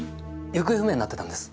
行方不明になってたんです。